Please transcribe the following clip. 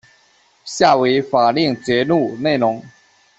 下为法令节录内容。